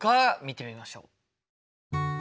見てみましょう。